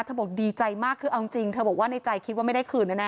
บอกดีใจมากคือเอาจริงเธอบอกว่าในใจคิดว่าไม่ได้คืนแน่